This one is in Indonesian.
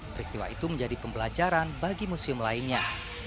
peristiwa itu menjadi pembelajaran bagi museum lainnya